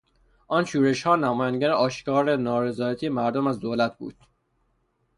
آن شورش ها نمایانگر آشکار نارضایی مردم از دولت بود.